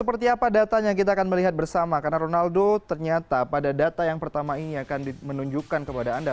seperti apa datanya kita akan melihat bersama karena ronaldo ternyata pada data yang pertama ini akan menunjukkan kepada anda